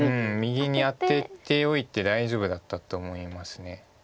右にアテておいて大丈夫だったと思います。